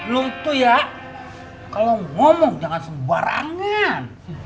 lu tuh ya kalo ngomong jangan sembarangan